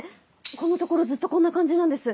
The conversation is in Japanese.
このところずっとこんな感じなんです。